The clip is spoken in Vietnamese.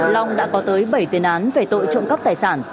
long đã có tới bảy tiền án về tội trộm cắp tài sản